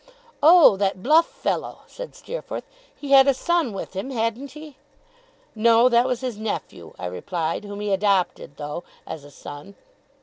'Oh! That bluff fellow!' said Steerforth. 'He had a son with him, hadn't he?' 'No. That was his nephew,' I replied; 'whom he adopted, though, as a son.